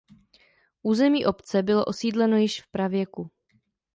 Území obce bylo osídleno již v pravěku.